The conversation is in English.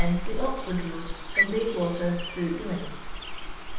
The Oxford Road, from Bayswater through Ealing.